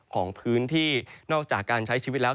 ของพื้นที่นอกจากการใช้ชีวิตแล้ว